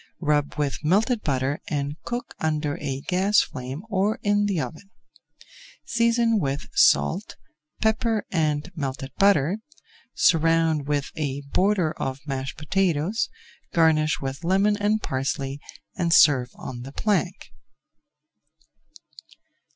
Rub with melted butter and cook under a gas flame or in the oven. Season with salt, pepper, and melted butter, surround with a border of mashed potatoes, garnish with lemon and parsley and serve on the plank.